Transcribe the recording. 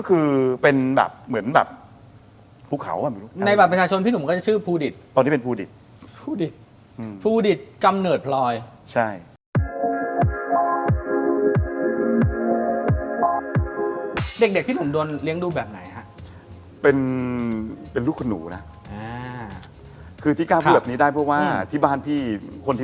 คุณหนูก็เป็นเด็กที่แบบถูกตามใจอะไรอย่างนี้